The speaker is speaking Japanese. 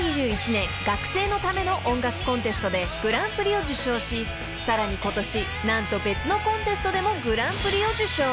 ［２０２１年学生のための音楽コンテストでグランプリを受賞しさらにことし何と別のコンテストでもグランプリを受賞］